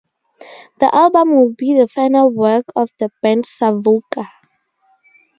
The album would be the final work of the band Savuka.